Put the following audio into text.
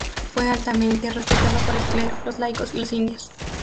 Fue altamente respetado por el clero, los laicos y los indios.